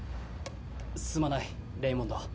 すまないレイモンド。